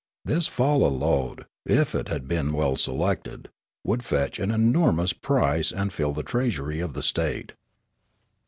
This falla load, if it had been 292 Feneralia 293 well selected, would fetch an enormous price and fill the treasury of the state.